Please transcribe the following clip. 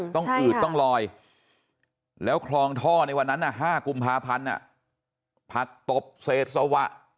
อืดต้องลอยแล้วคลองท่อในวันนั้น๕กุมภาพันธ์ผักตบเศษสวะ